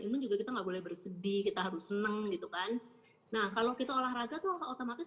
imun juga kita nggak boleh bersedih kita harus seneng gitu kan nah kalau kita olahraga tuh otomatis